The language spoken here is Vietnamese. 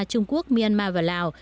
trung quốc myanmar và lào